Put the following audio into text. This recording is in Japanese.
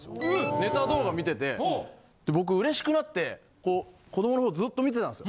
ネタ動画見ててで僕うれしくなって子どものほうずっと見てたんです。